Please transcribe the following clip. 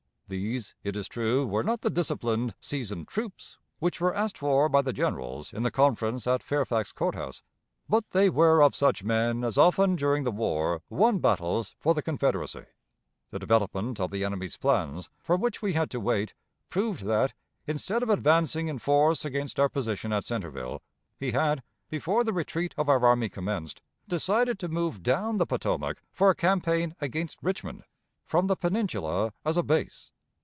These, it is true, were not the disciplined, seasoned troops which were asked for by the generals in the conference at Fairfax Court House, but they were of such men as often during the war won battles for the Confederacy. The development of the enemy's plans, for which we had to wait, proved that, instead of advancing in force against our position at Centreville, he had, before the retreat of our army commenced, decided to move down the Potomac for a campaign against Richmond, from the Peninsula as a base.